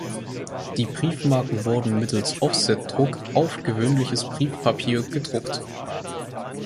Die Briefmarken wurden mittels Offsetdruck auf gewöhnliches Papier gedruckt.